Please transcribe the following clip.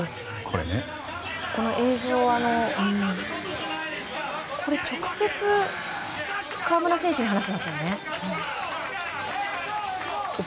この映像、直接河村選手に話してますよね。